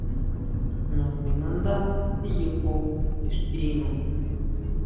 Naxinándá tiyuju ixtiná.